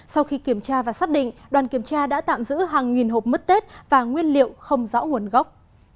sau khi kiểm tra và xác định đoàn kiểm tra đã tạm giữ hàng nghìn hộp mứt tết và nguyên liệu không rõ nguồn gốc